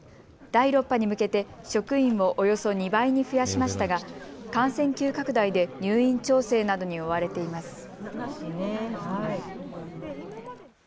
第６波に向けて職員をおよそ２倍に増やしましたが感染急拡大で入院調整などに追われています。